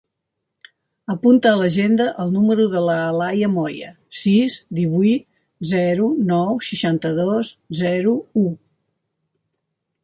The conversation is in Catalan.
Apunta a l'agenda el número de l'Alaia Moya: sis, divuit, zero, nou, seixanta-dos, zero, u.